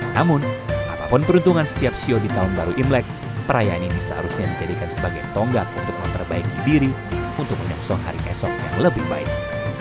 namun apapun peruntungan setiap sio di tahun baru imlek perayaan ini seharusnya dijadikan sebagai tonggak untuk memperbaiki diri untuk menyongsong hari esok yang lebih baik